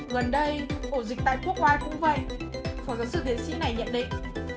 gần đây ổ dịch tại quốc hoa cũng vậy phó giáo sư tiến sĩ này nhận định